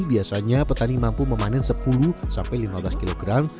biasanya petani mampu memanen sepuluh sampai lima belas kilogram